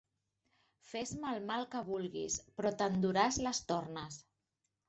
Fes-me el mal que vulguis, però te'n duràs les tornes.